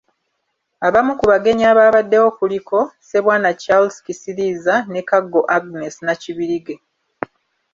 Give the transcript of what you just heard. Abamu ku bagenyi abaabaddewo kuliko; Ssebwana Charles Kisiriiza ne Kaggo Agnes Nakibirige.